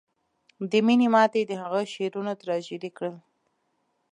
د مینې ماتې د هغه شعرونه تراژیدي کړل